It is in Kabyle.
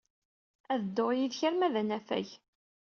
Ad dduɣ yid-k arma d anafag.